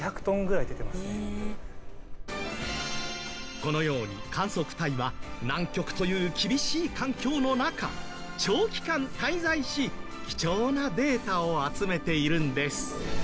このように観測隊は南極という厳しい環境の中長期間滞在し貴重なデータを集めているんです。